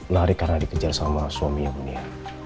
lari karena dikejar sama suaminya bunia